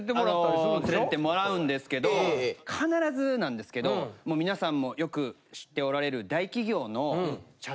はいあの連れてってもらうんですけど必ずなんですけどもうみなさんもよく知っておられる。